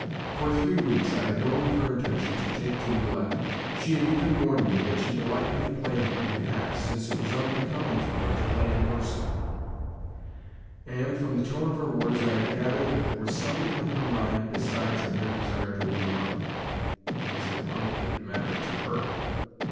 For three weeks I had known of her intention to take to roulette. She had even warned me that she would like me to play on her behalf, since it was unbecoming for her to play in person; and, from the tone of her words I had gathered that there was something on her mind besides a mere desire to win money. As if money could matter to _her!